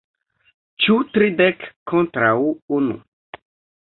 Ĉu tridek kontraŭ unu?